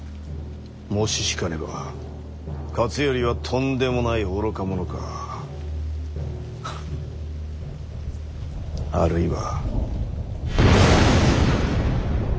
もし引かねば勝頼はとんでもない愚か者かハッあるいは。